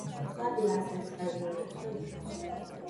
ცხადია, ეს ერთი და იგივე რიცხვი იქნება.